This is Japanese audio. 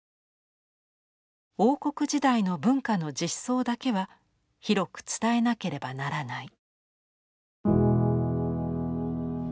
「王国時代の文化の実相だけは広く伝えなければならない」。